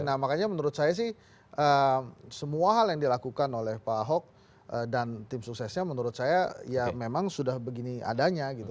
nah makanya menurut saya sih semua hal yang dilakukan oleh pak ahok dan tim suksesnya menurut saya ya memang sudah begini adanya gitu